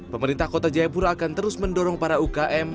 pemerintah kota jayapura akan terus mendorong para ukm